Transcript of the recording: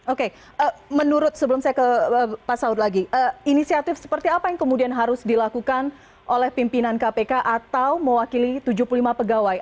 oke menurut sebelum saya ke pak saud lagi inisiatif seperti apa yang kemudian harus dilakukan oleh pimpinan kpk atau mewakili tujuh puluh lima pegawai